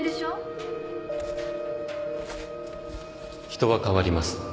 人は変わります。